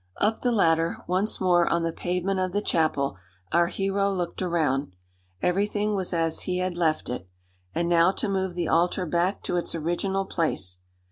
Up the ladder, once more on the pavement of the chapel, our hero looked around. Everything was as he had left it. And now to move the altar back to its original place.